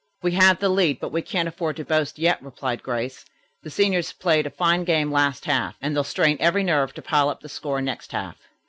"We have the lead, but we can't afford to boast yet," replied Grace. "The seniors played a fine game last half, and they'll strain every nerve to pile up their score next half."